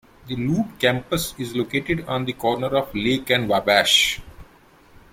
The Loop campus is located on the corner of Lake and Wabash.